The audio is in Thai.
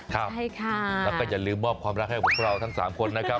ใช่ค่ะแล้วก็อย่าลืมมอบความรักให้ทั้งสามคนนะคะ